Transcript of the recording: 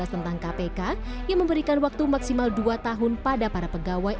tentang kpk yang memberikan waktu maksimal dua tahun pada para pegawai